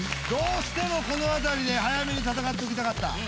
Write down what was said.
どうしてもこのあたりで早めに戦っておきたかった？